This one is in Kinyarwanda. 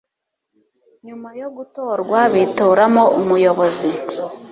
nyuma yo gutorwa bitoramo umuyobozi